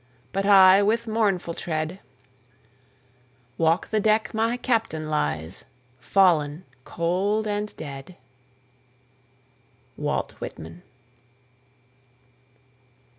But I, with mournful tread, Walk the deck my Captain lies, Fallen cold and dead. WALT WHITMAN.